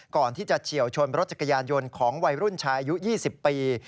ก่อนที่จะเฉี่ยวชนรถจักรยานยนต์ของวัยรุ่นชายอยู่๒๐ปี